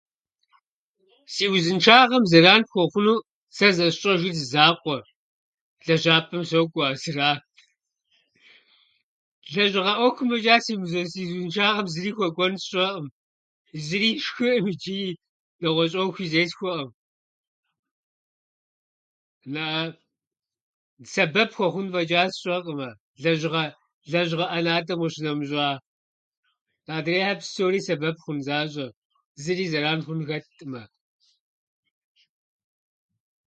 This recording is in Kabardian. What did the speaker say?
Си узыншагъэм зэран хуэхъуну сэ зэсщӏэжыр зы закъуэ: лэжьапӏэм сокӏуэ, а зыра. Лэжьыгъэ ӏуэхум фӏэчӏа сигу сэ- си узыншагъэм хуэкӏуэн щыӏэу сэ сщӏэӏым, зыри сшхыӏым ичӏи нэгъуэщӏ ӏуэхуи зесхуэӏым. Сэбэп хуэхъун фӏэчӏа сщӏэкъымэ, лэжьыгъэ ӏэнатӏэм къищынэмыщӏа. Адрейхьэр псори сэбэп хъун защӏэ, зыри зэран хъун хэтӏымэ.